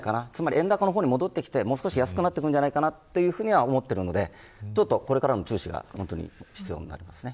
円高の方に戻ってきてもう少し安くなるんじゃないかなと思っているのでこれからも注視が必要ですね。